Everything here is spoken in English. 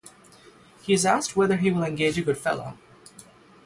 He is asked whether he will engage a good fellow.